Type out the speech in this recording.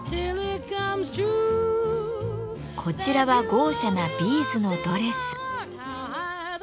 こちらは豪奢なビーズのドレス。